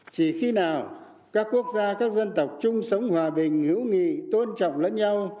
chỉ khi nào các quốc gia các dân tộc chung sống hòa bình hữu nghị tôn trọng lẫn nhau